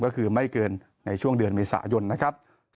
ก็คือไม่เกินในช่วงเดือนเมษายนนะครับ